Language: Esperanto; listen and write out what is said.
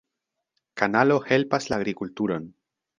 Kanalo helpas la agrikulturon.